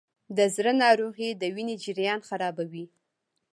د زړه ناروغۍ د وینې جریان خرابوي.